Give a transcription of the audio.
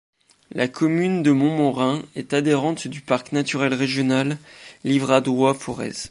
La commune de Montmorin est adhérente du parc naturel régional Livradois-Forez.